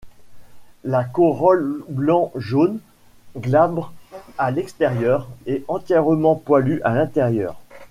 La corolle blanc-jaune, glabre à l'extérieur, est entièrement poilue à l'intérieur.